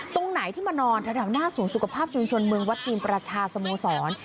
ตรงไหนที่มานอนแถวหน้าศูนย์สุขภาพชุมชนเมืองวัดจีนประชาสโมสร